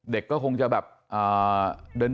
เด็กก็คงจะแบบ